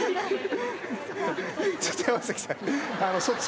ちょっと山崎さん。